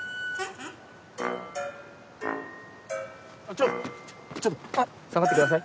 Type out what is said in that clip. ちょちょっと下がってください。